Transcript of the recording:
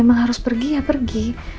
emang harus pergi ya pergi